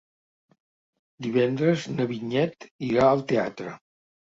Divendres na Vinyet irà al teatre.